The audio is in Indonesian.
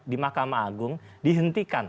di mahkamah agung dihentikan